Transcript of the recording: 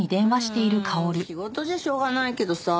うん仕事じゃしょうがないけどさ。